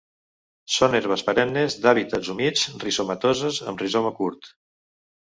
Són herbes perennes d'hàbitats humits, rizomatoses, amb rizoma curt